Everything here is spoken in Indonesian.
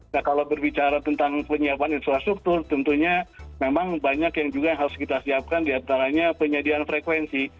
nah kalau berbicara tentang penyiapan infrastruktur tentunya memang banyak yang juga harus kita siapkan diantaranya penyediaan frekuensi